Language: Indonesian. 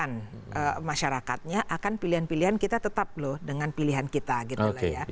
dan bagaimana dia juga bisa meyakinkan masyarakatnya akan pilihan pilihan kita tetap loh dengan pilihan kita gitu ya